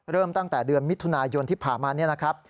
ตั้งแต่เดือนมิถุนายนที่ผ่านมานี่แหละครับ